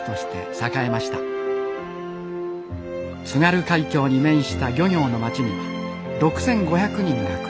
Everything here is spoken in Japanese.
津軽海峡に面した漁業の町には６，５００人が暮らしています。